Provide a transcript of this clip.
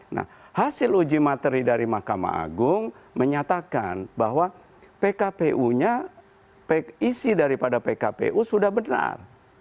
nah hasil uji materi dari mahkamah agung menyatakan bahwa pkpu nya isi daripada pkpu sudah benar